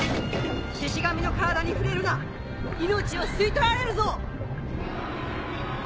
シシ神の体に触れるな命を吸い取られるぞ！